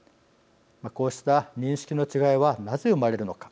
こうした認識の違いはなぜ生まれるのか。